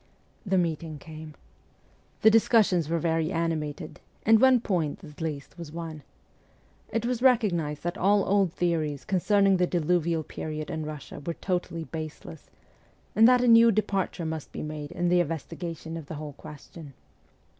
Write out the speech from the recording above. The meeting came. The discussions were very animated, and one point, at least, was won. It was recognized that all old theories "concerning the diluvial period in Russia were totally baseless, and that a new departure must be made in the investiga tion of the whole question.